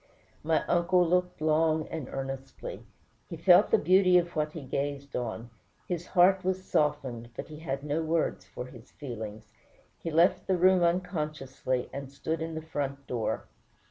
My uncle looked long and earnestly. He felt the beauty of what he gazed on; his heart was softened, but he had no words for his feelings. He left the room unconsciously, and stood in the front door.